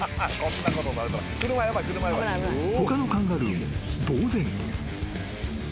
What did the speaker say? ［他のカンガルーもぼうぜん］